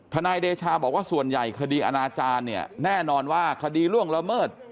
นายเดชาบอกว่าส่วนใหญ่คดีอนาจารย์เนี่ยแน่นอนว่าคดีล่วงละเมิด